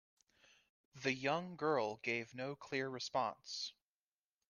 The young girl gave no clear response.